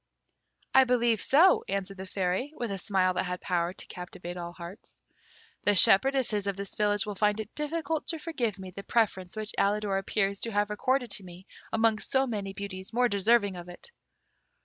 "I believe so," answered the Fairy, with a smile that had power to captivate all hearts. "The shepherdesses of this village will find it difficult to forgive me the preference which Alidor appears to have accorded to me amongst so many beauties more deserving of it."